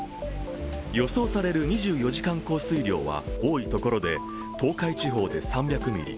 予想される２４時間降水量は多いところで、東海地方で３００ミリ